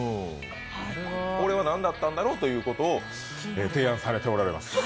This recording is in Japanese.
これは何だったんだろうということを提案されておられます。